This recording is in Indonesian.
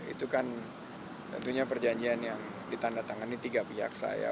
itu kan tentunya perjanjian yang ditandatangani tiga pihak saya